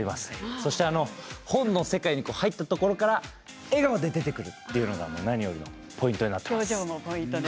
そして本の世界に入ったところから笑顔で出てくるというのが何よりのポイントになっています。